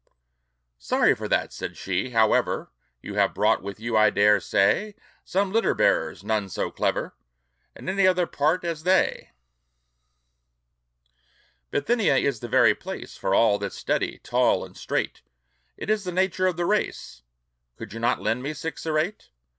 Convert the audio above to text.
"Sorry for that!" said she. "However, You have brought with you, I dare say, Some litter bearers; none so clever In any other part as they. "Bithynia is the very place For all that's steady, tall, and straight; It is the nature of the race. Could you not lend me six or eight?"